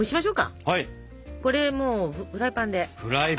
これもうフライパンで。